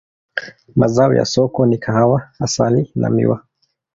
Mazao ya soko ni kahawa, asali na miwa.